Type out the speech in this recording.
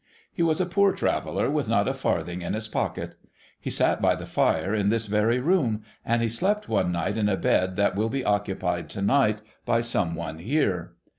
He was a poor traveller, with not a farthing in his pocket. He sat by the fire in this very room, and he slept one night in a bed that will be occupied to night by some one here.